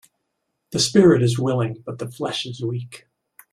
The spirit is willing but the flesh is weak.